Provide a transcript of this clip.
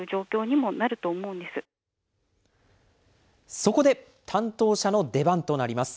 そこで、担当者の出番となります。